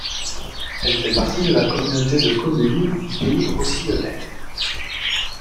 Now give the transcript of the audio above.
Elle fait partie de la communauté de communes du Pays Roussillonnais.